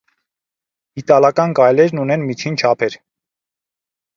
Իտալական գայլերն ունեն միջին չափեր։